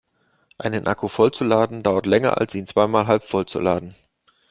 Einen Akku voll zu laden dauert länger als ihn zweimal halbvoll zu laden.